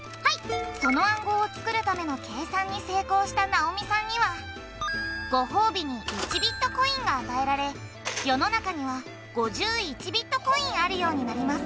その暗号を作るための計算に成功した直美さんにはご褒美に１ＢＴＣが与えられ世の中には５１ＢＴＣあるようになります